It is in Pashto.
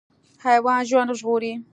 حیوان ژوند ژغوري.